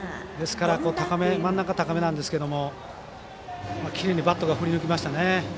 真ん中高めなんですけどもきれいにバットが振り抜きましたね。